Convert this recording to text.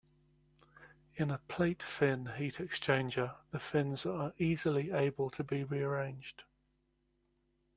In a plate-fin heat exchanger, the fins are easily able to be rearranged.